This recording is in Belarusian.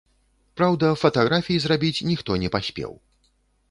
Праўда, фатаграфій зрабіць ніхто не паспеў.